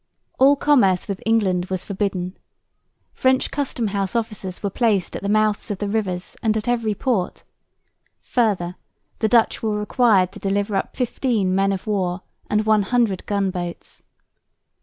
All commerce with England was forbidden. French custom house officers were placed at the mouths of the rivers and at every port. Further, the Dutch were required to deliver up fifteen men of war and one hundred gunboats.